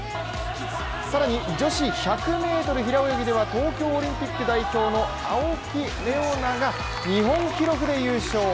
更に女子１００ｍ平泳ぎでは東京オリンピック代表の青木玲緒樹が日本記録で優勝。